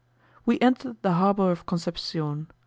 We entered the harbour of Concepcion.